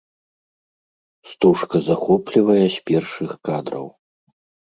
Стужка захоплівае з першых кадраў.